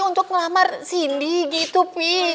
untuk ngelamar cindy gitu pi